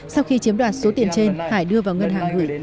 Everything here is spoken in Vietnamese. sau khi chiếm đoạt số tiền trên hải đưa vào ngân hàng gửi